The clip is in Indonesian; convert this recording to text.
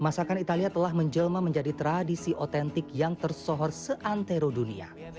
masakan italia telah menjelma menjadi tradisi otentik yang tersohor seantero dunia